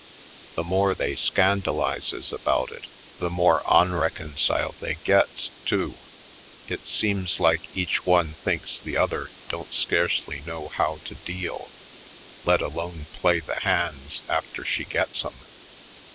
The more they scandalizes about it the more onreconciled Country Side 111 they gets, too. It seems like each one thinks the other don't scarcely know how to deal, let alone play the hands after she gets 'em.